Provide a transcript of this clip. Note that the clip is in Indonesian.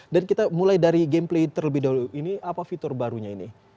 kita mulai dari gameplay terlebih dahulu ini apa fitur barunya ini